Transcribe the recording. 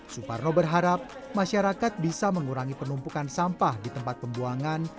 suparno berharap masyarakat bisa mengurangi penumpukan sampah di tempat pembuangan